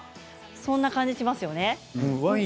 そんな感じがしますよね。